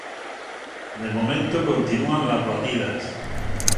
De momento continúan las batidas.